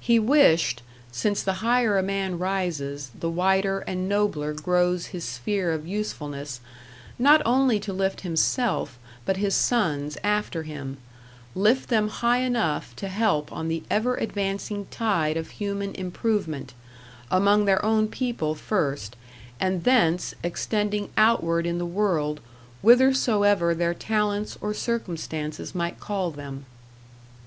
He wished since the higher a man rises, the wider and nobler grows his sphere of usefulness not only to lift himself, but his sons after him; lift them high enough to help on the ever advancing tide of human improvement, among their own people first, and thence extending outward in the world whithersoever their talents or circumstances might call them.